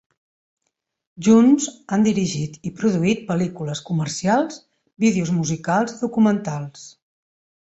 Junts han dirigit i produït pel·lícules, comercials, vídeos musicals i documentals.